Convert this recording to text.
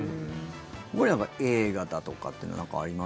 ほかには映画だとかっていうのはあります？